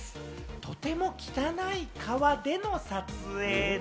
とても汚い川での撮影で。